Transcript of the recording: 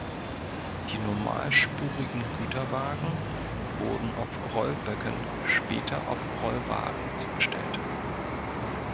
Die normalspurigen Güterwagen wurden auf Rollböcken, später auf Rollwagen zugestellt.